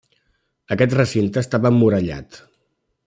Aquest recinte estava emmurallat.